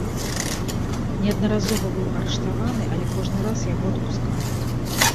Неаднаразова быў арыштаваны, але кожны раз яго адпускалі.